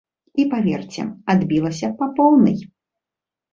І паверце, адбілася па поўнай.